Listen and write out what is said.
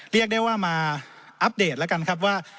เรียกได้ว่ามาอัปเดตแล้วกันครับว่า